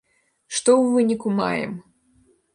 Што ў выніку маем?